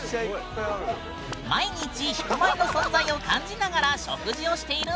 毎日ヒプマイの存在を感じながら食事をしているんだって！